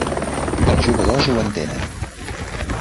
Els jugadors ho entenen.